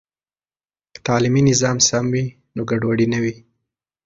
که تعلیمي نظام سم وي، نو ګډوډي نه وي.